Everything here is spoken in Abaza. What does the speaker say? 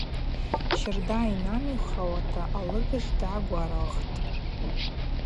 Щарда йнамихуата алыгажв дгӏагваралхтӏ.